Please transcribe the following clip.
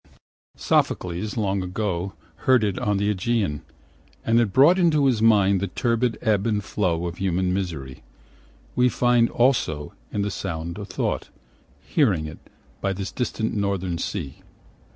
Sophocles° long ago °15 Heard it on the Ægæan,° and it brought °16 Into his mind the turbid ebb and flow Of human misery; we Find also in the sound a thought, Hearing it by this distant northern sea.